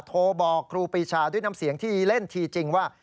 โทรบอกครูปีชาด้วยน้ำเสียงที่เล่นทีจริงว่า